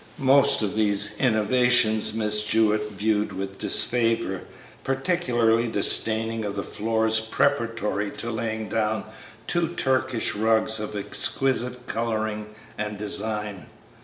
Most of these innovations Miss Jewett viewed with disfavor, particularly the staining of the floors preparatory to laying down two Turkish rugs of exquisite coloring and design.